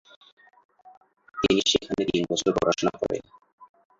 তিনি সেখানে তিন বছর পড়াশোনা করেন।